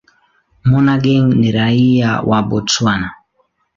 Monageng ni raia wa Botswana.